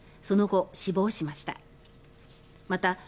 その後、死亡しました。